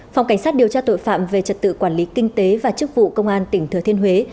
phòng cảnh sát điều tra tội phạm về trật tự quản lý kinh tế và chức vụ công an tỉnh thừa thiên huế